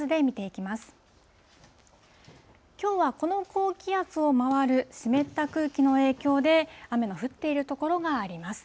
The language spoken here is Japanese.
きょうはこの高気圧を回る湿った空気の影響で、雨の降っている所があります。